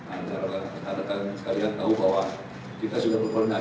agar kalian tahu bahwa kita sudah berperan